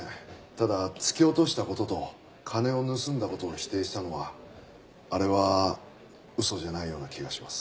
ただ突き落とした事と金を盗んだ事を否定したのはあれは嘘じゃないような気がします。